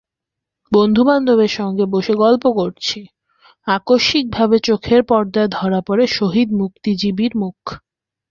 বন্ধু-বান্ধবের সঙ্গে বসে গল্প করছি—আকস্মিকভাবে চোখের পর্দায় ধরা পড়ে শহীদ বুদ্ধিজীবীর মুখ।